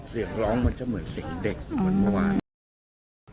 เสียงร้องมันจะเหมือนเสียงเด็กเหมือนเมื่อวานนะครับ